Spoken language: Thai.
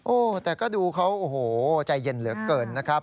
โอ้โหแต่ก็ดูเขาโอ้โหใจเย็นเหลือเกินนะครับ